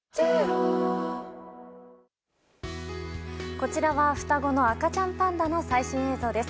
こちらは双子の赤ちゃんパンダの最新映像です。